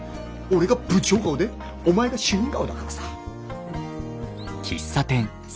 俺が部長顔でお前が主任顔だからさ。